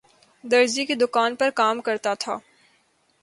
درزی کی دکان پرکام کرتا تھا